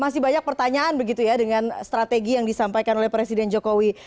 masih banyak pertanyaan begitu ya dengan strategi yang disampaikan oleh presiden jokowi